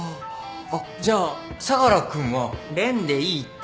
あっじゃあ相良君は。レンでいいって。